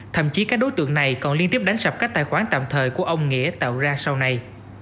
thậm chí các đối tượng này còn liên tiếp đánh sập các tài khoản tạm thời của ông nghĩa tạo ra sau này